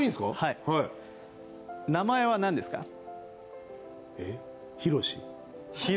名前は何ですか？